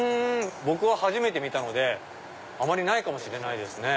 僕は初めて見たのであまりないかもしれないですね。